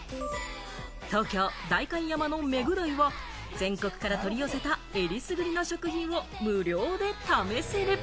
東京・代官山のメグダイは、全国から取り寄せた、えりすぐりの食品は無料で試せる。